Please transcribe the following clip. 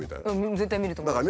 絶対見ると思います。